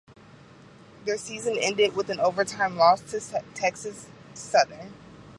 Their season ended with an overtime loss to Texas Southern.